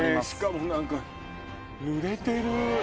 しかも何かぬれてる。